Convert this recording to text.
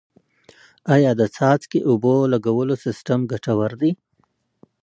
آیا د څاڅکي اوبو لګولو سیستم ګټور دی؟